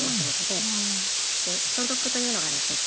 で消毒というのがですね